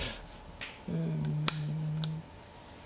うん。